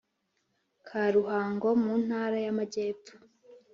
ka Ruhango mu Ntara y Amajyepfo